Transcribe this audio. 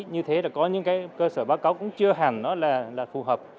như thế là có những cơ sở báo cáo cũng chưa hẳn là phù hợp